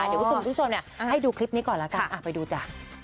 เดี๋ยวคุณผู้ชมให้ดูคลิปนี้ก่อนแล้วกันไปดูจ้ะ